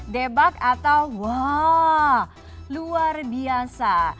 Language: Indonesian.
debak atau wah luar biasa